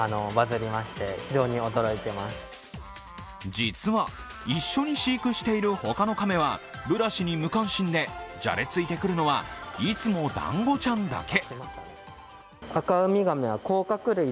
実は一緒に飼育している他のカメはブラシに無関心でじゃれついてくるのはいつもだんごちゃんだけ。